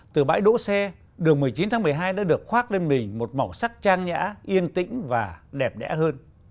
từ bãi đỗ xe đường một mươi chín tháng một mươi hai đã được khoác lên mình một màu sắc trang nhã yên tĩnh và đẹp đẽ hơn